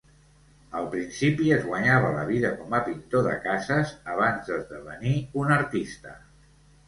Al principi es guanyava la vida com a pintor de cases abans d'esdevenir un artista.